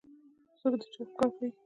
څوک د چا ښکار کوي؟